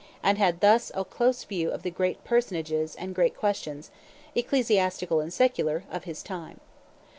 and had thus had a close view of the great personages and great questions, ecclesiastical and secular, of his time.